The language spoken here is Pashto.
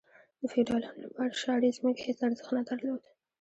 د فیوډالانو لپاره شاړې ځمکې هیڅ ارزښت نه درلود.